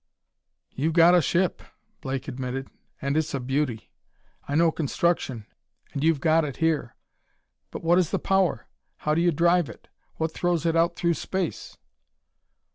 "You've got a ship," Blake admitted, "and it's a beauty. I know construction, and you've got it here. But what is the power? How do you drive it? What throws it out through space?"